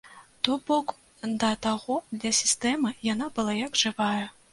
То бок, да таго для сістэмы яна была як жывая!